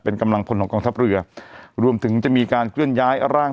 เป็นกำลังพลของกองทัพเรือรวมถึงจะมีการเคลื่อนย้ายร่าง